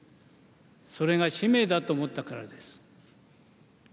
それが使命だと思ったからです。